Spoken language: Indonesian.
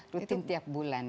rutin tiap bulan